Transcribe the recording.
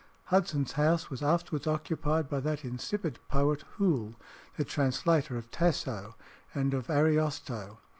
Hudson's house was afterwards occupied by that insipid poet, Hoole, the translator of Tasso and of Ariosto.